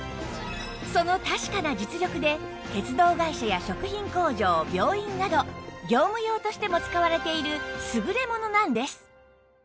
その確かな実力で鉄道会社や食品工場病院など業務用としても使われている優れものなんです